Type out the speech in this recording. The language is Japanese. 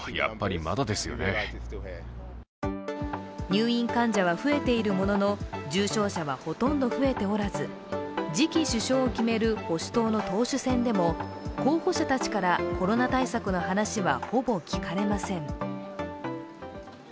入院患者は増えているものの重症者はほとんど増えておらず次期首相を決める保守党の党首選でも候補者たちからコロナ対策の話はほぼ聞かれません。